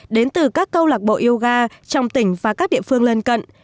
đến từ các câu lạc bộ yoga trong tỉnh và các địa phương lân cận